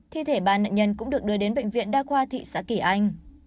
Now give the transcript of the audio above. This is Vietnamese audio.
thi thể ba nạn nhân cũng được đưa đến bệnh viện đa khoa thị xã kỳ anh